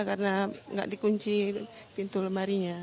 karena nggak dikunci pintu lemarinya